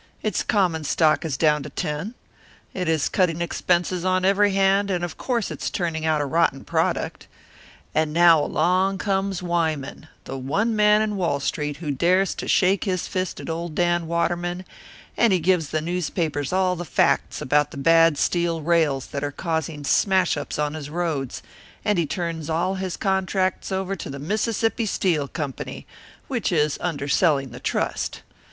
Its common stock is down to ten. It is cutting expenses on every hand, and of course it's turning out a rotten product. And now along comes Wyman, the one man in Wall Street who dares to shake his fist at old Dan Waterman; and he gives the newspapers all the facts about the bad steel rails that are causing smash ups on his roads; and he turns all his contracts over to the Mississippi Steel Company, which is under selling the Trust.